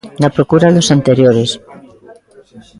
Na procura dos anteriores.